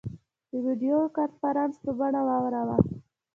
د ویډیو کنفرانس په بڼه واوراوه.